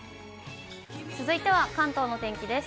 続いては関東のお天気です。